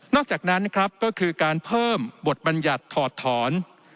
อกจากนั้นนะครับก็คือการเพิ่มบทบัญญัติถอดถอน